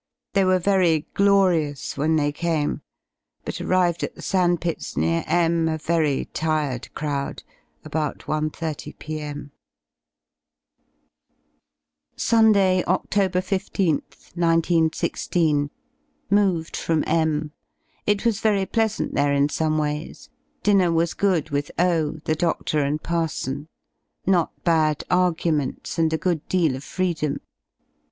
They were very glorious when they came, but arrived at the sand pits near M a very tired crov^d, about 1.30 p.m. 74 7 Sunday, Oct. 15th, 19 16. Moved from M It was very pleasant there in some ways: dinner was good with O , the doftor, and parson; not bad arguments, and a good deal of freedom.